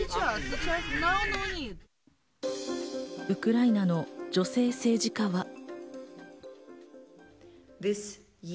ウクライナの女性政治家は。